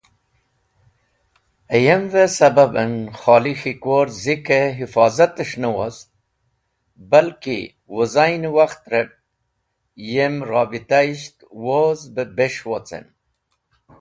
Hayemve Sababen Kholi K̃hikwor Zike Hifozat es̃h ne wost, Balki Wizaine Wakhtrep yem Rabitaisht woz be bes̃h wocen.